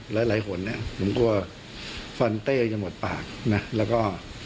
หลายคนเนี่ยผมกลัวฟันเต้จะหมดปากนะแล้วก็